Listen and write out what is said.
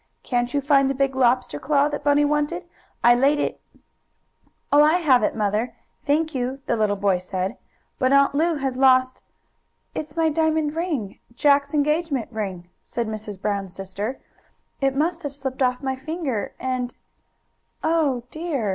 "Can't you find the big lobster claw that Bunny wanted? I laid it " "Oh, I have it, Mother, thank you," the little boy said. "But Aunt Lu has lost " "It's my diamond ring Jack's engagement ring," said Mrs. Brown's sister. "It must have slipped off my finger, and " "Oh dear!